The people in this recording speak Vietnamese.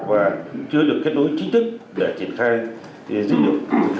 và chưa được kết nối chính thức để triển khai dữ liệu quốc gia